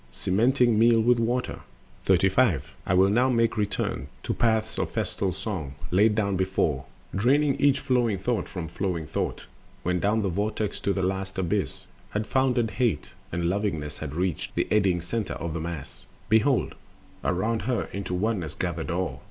Cementing meal with water. .. The Conquest of Love. 35. But hurrying back, I now will make return To paths of festal song, laid down before, Draining each flowing thought from flowing thought. When down the Vortex to the last abyss Had foundered Hate, and Lovingness had reached The eddying center of the Mass, behold Around her into Oneness gathered all.